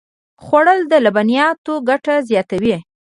خوړل د لبنیاتو ګټه زیاتوي